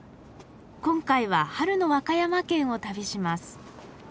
今回は春の和歌山県を旅します。